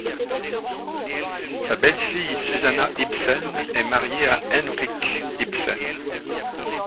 Sa belle-fille, Suzannah Ibsen, est mariée à Henrik Ibsen.